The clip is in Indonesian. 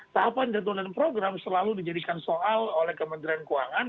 tahapan jadwal dan program selalu dijadikan soal oleh kementerian keuangan